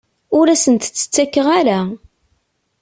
Ur asent-t-ttakkeɣ ara.